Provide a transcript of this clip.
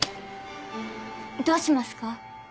どうしますか？